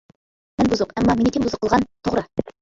مەن بۇزۇق، ئەمما مېنى كىم بۇزۇق قىلغان؟ توغرا!